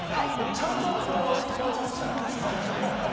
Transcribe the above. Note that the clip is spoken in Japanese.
ちゃんと友達は少なかったですよ。